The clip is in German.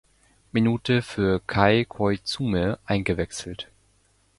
Minute für Kei Koizumi eingewechselt.